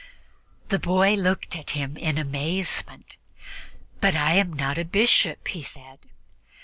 The boy looked at him in amazement. "But I am not a bishop," he said.